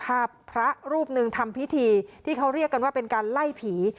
ภาพพระรูปหนึ่งทำพิธีที่เขาเรียกกันว่าเป็นการไล่ผี